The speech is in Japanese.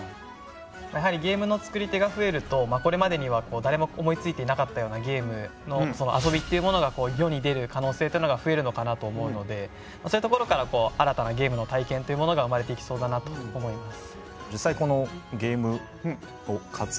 やはりゲームの作り手が増えるとこれまでにはだれも思いついていなかったようなゲームの遊びっていうものが世に出る可能性っていうのが増えるのかなと思うのでそういうところから新たなゲームの体験っていうものが生まれていきそうだなと思います。